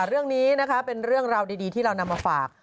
เรื่องนี้นะคะเป็นเรื่องราวดีที่เรานำมาฝาก